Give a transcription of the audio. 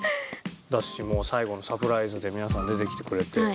最後のサプライズで皆さん出てきてくれて。